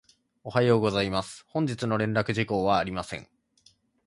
おはようございます。本日の連絡事項はありません。